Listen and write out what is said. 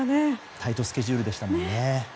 タイトスケジュールでしたもんね。